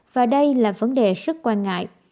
và đây là vấn đề rất quan ngại